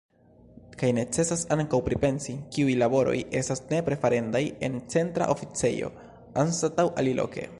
Kaj necesas ankaŭ pripensi, kiuj laboroj estas nepre farendaj en Centra Oficejo anstataŭ aliloke.